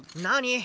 何？